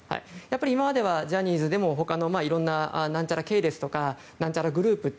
今まではジャニーズでも他のなんちゃら系列とかなんちゃらグループって